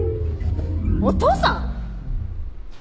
お父さん！？